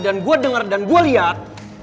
dan gue denger dan gue liat